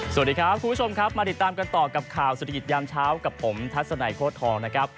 สวัสดีครับคุณผู้ชมครับมาติดตามกันต่อกับข่าวเศรษฐกิจยามเช้ากับผมทัศนัยโค้ดทองนะครับ